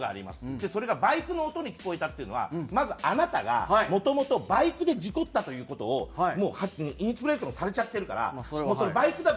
でそれがバイクの音に聞こえたっていうのはまずあなたがもともとバイクで事故ったという事をもうインスピレーションされちゃってるからもうそれバイクだ